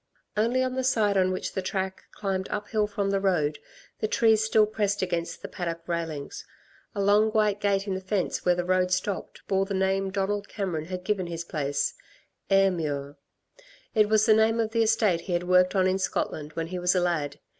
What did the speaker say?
Only on the side on which the track climbed uphill from the road, the trees still pressed against the paddock railings. A long white gate in the fence where the road stopped bore the name Donald Cameron had given his place "Ayrmuir." It was the name of the estate he had worked on in Scotland when he was a lad.